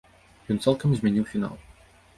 Ён цалкам змяніў фінал.